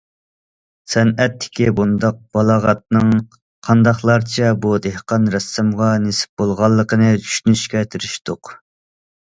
سەنئەتتىكى بۇنداق بالاغەتنىڭ قانداقلارچە بۇ دېھقان رەسسامغا نېسىپ بولغانلىقىنى چۈشىنىشكە تىرىشتۇق.